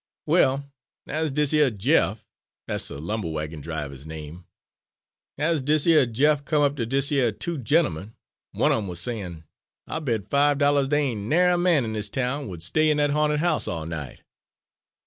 "Well, as dis yer Jeff dat's de lumber wagon driver's name as dis yer Jeff come up ter dese yer two gentlemen, one of 'em was sayin, 'I'll bet five dollahs dey ain' narry a man in his town would stay in dat ha'nted house all night.'